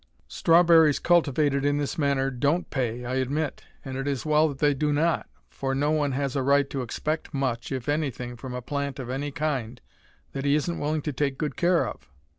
Strawberries cultivated in this manner don't pay, I admit. And it is well that they do not, for no one has a right to expect much, if anything, from a plant of any kind that he isn't willing to take good care of.